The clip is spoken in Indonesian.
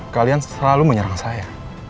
kalian selalu menyerang saya